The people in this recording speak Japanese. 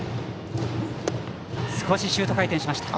少しシュート回転しました。